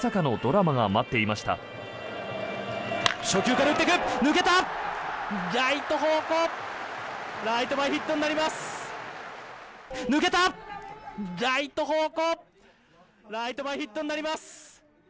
ライト前ヒットになります。